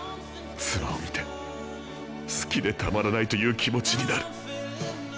妻を見て好きでたまらないという気持ちになる。